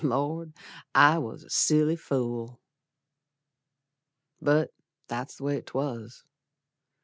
Lord! I was a silly fool. But that's the way 'twas.